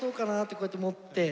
こうやって持って。